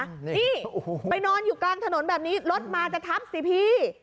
นี่ไปนอนอยู่กลางถนนแบบนี้รถมาจะทับสิพี่